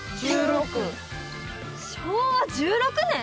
昭和１６年？